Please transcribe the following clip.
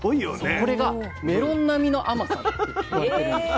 これがメロン並みの甘さと言われてるんです。